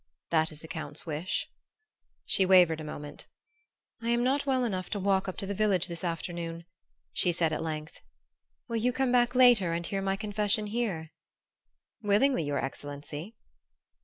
"That is the Count's wish." She wavered a moment. "I am not well enough to walk up to the village this afternoon," she said at length. "Will you come back later and hear my confession here?" "Willingly, your excellency."